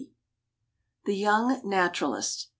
THE YOUNG NATURALIST.